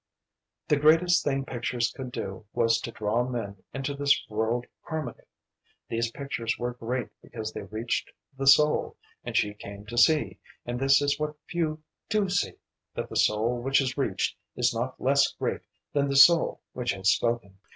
The greatest thing pictures could do was to draw men into this world harmony. These pictures were great because they reached the soul, and she came to see, and this is what few do see, that the soul which is reached is not less great than the soul which has spoken.